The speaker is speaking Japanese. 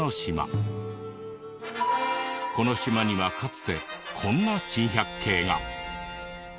この島にはかつてこんな珍百景が。